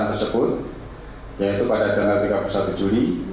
tersebut yaitu pada tanggal tiga puluh satu juli